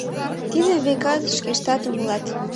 Тидым, векат, шкештат умылат.